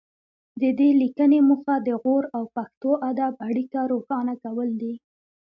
د دې لیکنې موخه د غور او پښتو ادب اړیکه روښانه کول دي